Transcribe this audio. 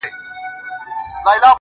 • سیاه پوسي ده، شپه لېونۍ ده.